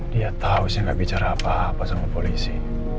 dia tahu saya nggak bicara apa apa sama polisi